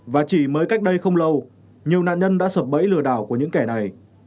và chỉ mới cách đây không lâu nhiều nạn nhân đã sập bẫy lừa đảo của những kẻ này